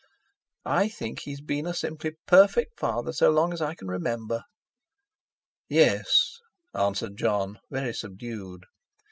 "I think, he's been a simply perfect father, so long as I can remember." "Yes," answered Jon, very subdued.